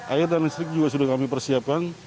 air dan listrik juga sudah kami persiapkan